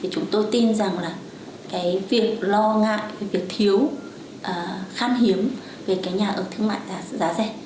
chúng tôi tin rằng việc lo ngại việc thiếu khát hiếm về nhà ở thương mại giá rẻ